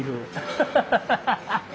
ハハハハハ！